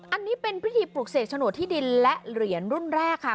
อันนี้เป็นพิธีปลูกเสกโฉนดที่ดินและเหรียญรุ่นแรกค่ะ